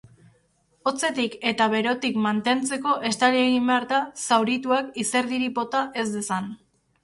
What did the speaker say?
Hotzetik eta berotik mantentzeko estali egin behar da zaurituak izerdirik bota ez dezan.